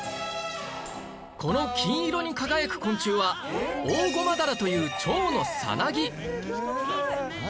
この金色に輝く昆虫はオオゴマダラという蝶のさなぎ何？